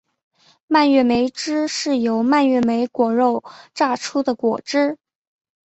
蔓越莓汁是由蔓越莓果肉榨出的果汁。